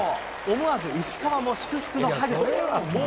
思わず、石川も祝福のハグ。